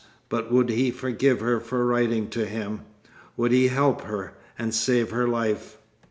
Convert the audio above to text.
But would he forgive her for writing to him? Would he help her, and save her life?